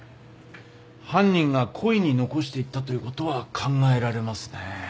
犯人が故意に残していったということは考えられますね。